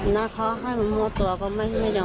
หน้าเขาให้มันหมดตัวก็ไม่ได้หมดตัว